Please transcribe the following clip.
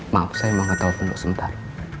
maaf saya mau ketau penduduk sebentar